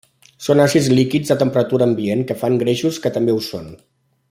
Són àcids líquids a temperatura ambient que fan greixos que també ho són.